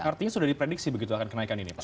artinya sudah diprediksi begitu akan kenaikan ini pak